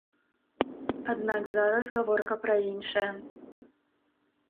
Аднак зараз гаворка пра іншае.